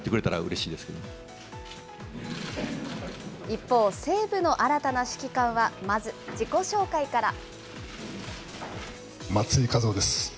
一方、西武の新たな指揮官は、まず、自己紹介から。